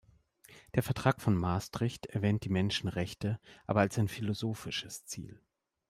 Der Vertrag von Maastricht erwähnt die Menschenrechte, aber als ein philosophisches Ziel.